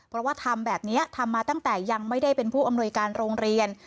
เพราะว่าทำแบบนี้ทำมาตั้งแต่ยังไม่ได้เป็นผู้อำนวยการโรงเรียน